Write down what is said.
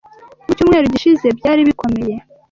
Mu cyumweru gishize byari bikomeye